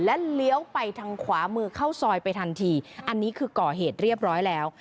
และเลี้ยวไปทางขวามือเข้าซอยไปทันทีอันนี้คือก่อเหตุเรียบร้อยแล้ว